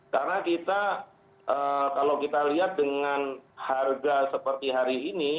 karena kita kalau kita lihat dengan harga seperti hari ini